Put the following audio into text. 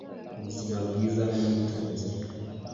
ubuzima bwiza ni ubutunzi